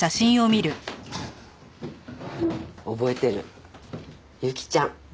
覚えてるゆきちゃん。